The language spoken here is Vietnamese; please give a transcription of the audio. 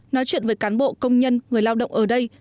nói chuyện với cán bộ công nhân người lao động ở đây